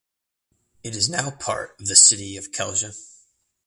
It is now part of the city of Celje.